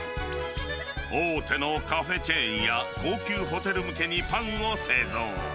大手のカフェチェーンや高級ホテル向けにパンを製造。